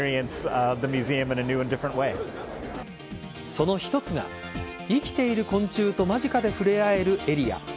その一つが、生きている昆虫と間近で触れ合えるエリア。